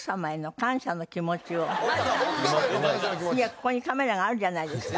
ここにカメラがあるじゃないですか。